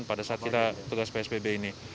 pada saat kita tugas psbb ini